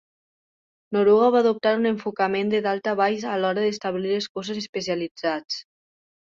Noruega va adoptar un enfocament de dalt a baix a l'hora d'establir els Cossos Especialitzats.